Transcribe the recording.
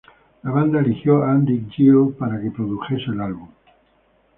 La banda eligió a Andy Gill para que produjese el álbum.